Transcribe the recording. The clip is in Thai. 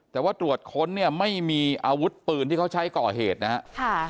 แต่ว่าตรวจค้นเนี่ยไม่มีอาวุธปืนที่เขาใช้ก่อเหตุนะครับ